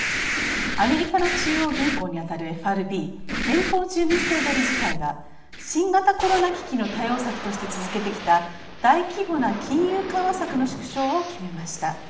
アメリカの中央銀行にあたるＦＲＢ＝連邦準備制度理事会は新型コロナ危機の対応策として続けてきた大規模な金融緩和策の縮小を決めました。